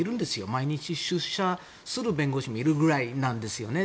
毎日出社する弁護士もいるぐらいなんですよね。